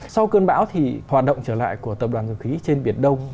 sau cơn bão thì hoạt động trở lại của tập đoàn dầu khí trên biển đông